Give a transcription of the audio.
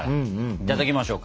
いただきましょう。